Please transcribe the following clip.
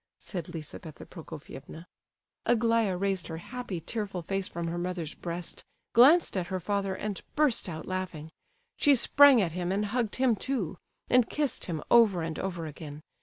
said Lizabetha Prokofievna. Aglaya raised her happy, tearful face from her mother's breast, glanced at her father, and burst out laughing. She sprang at him and hugged him too, and kissed him over and over again.